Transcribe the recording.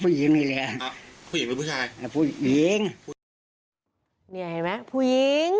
ผู้หญิงหรือผู้ชาย